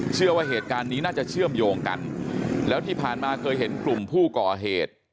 เชื่อว่าเหตุการณ์นี้น่าจะเชื่อมโยงกันแล้วที่ผ่านมาเคยเห็นกลุ่มผู้ก่อเหตุ